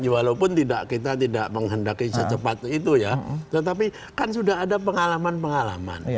walaupun kita tidak menghendaki secepat itu ya tetapi kan sudah ada pengalaman pengalaman